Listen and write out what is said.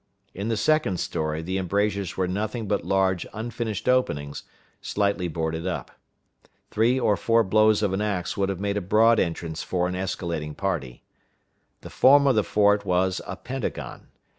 In the second story the embrasures were nothing but large unfinished openings, slightly boarded up. Three or four blows of an axe would have made a broad entrance for an escalading party. The form of the fort was a pentagon.